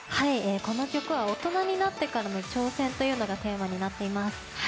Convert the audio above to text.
この曲は、大人になってからの挑戦というのがテーマになっています。